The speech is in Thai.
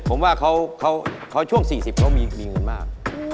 ผมว่าเขาช่วง๔๐เขามีเงินมาก